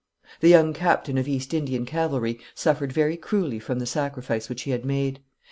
The young captain of East Indian cavalry suffered very cruelly from the sacrifice which he had made.